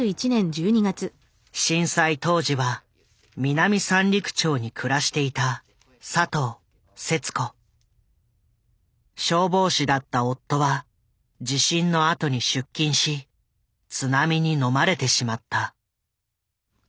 震災当時は南三陸町に暮らしていた消防士だった夫は地震のあとに出勤し津波にのまれてしまった。